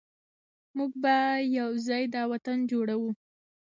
موږ به یو ځای دا وطن جوړوو.